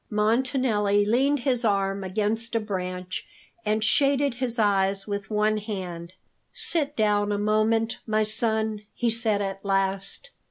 Montanelli leaned his arm against a branch, and shaded his eyes with one hand. "Sit down a moment, my son," he said at last.